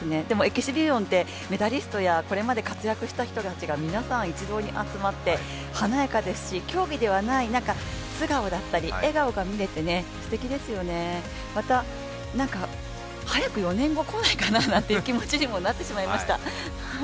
でもエキシビションってメダリストやこれまで活躍した人たちが皆さん、一堂に集まって華やかですし、競技ではない中素顔だったり笑顔が見れてすてきですよね、また早く４年後こないかななんて気持ちにもなってしまいました。